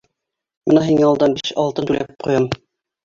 Бына һиңә алдан биш алтын түләп ҡуям.